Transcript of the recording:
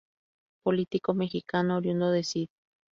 Político Mexicano oriundo de Cd.